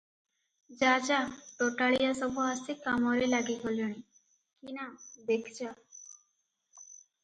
ଯା ଯା, ତୋଟାଳିଆ ସବୁ ଆସି କାମରେ ଲାଗିଗଲେଣି କି ନା, ଦେଖ ଯା ।"